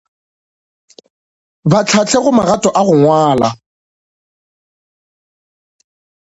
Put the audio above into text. Ba hlahle go magato a go ngwala.